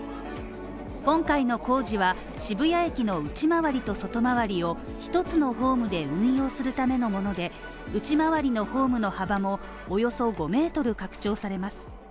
今回の工事は、渋谷駅の内回りと外回りを一つのホームで運用するためのもので、内回りのホームの幅もおよそ５ｍ拡張されます。